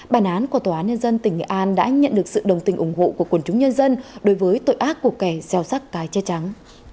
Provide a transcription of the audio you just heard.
bản án của tòa án nhân dân tỉnh nghệ an đã nhận được sự đồng tình ủng hộ của quần chúng nhân dân đối với tội ác của kẻ gieo sắc cái chết trắng